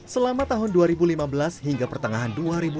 selama tahun dua ribu lima belas hingga pertengahan dua ribu delapan belas